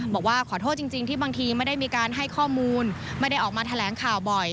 บอกว่าขอโทษจริงที่บางทีไม่ได้มีการให้ข้อมูลไม่ได้ออกมาแถลงข่าวบ่อย